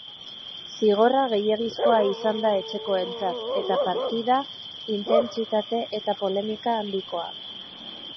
Zigorra gehiegizkoa izan da etxekoentzat, eta partida, intentsitate eta polemika handikoa.